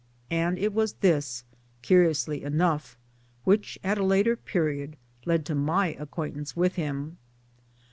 And it was this, curiously enough, which at a later period led to my acquaint ance with him.